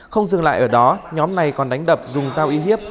không dừng lại ở đó nhóm này còn đánh đập dùng dao uy hiếp